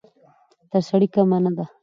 تر سړي کمه نه ده.